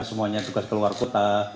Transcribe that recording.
semuanya tugas keluar kota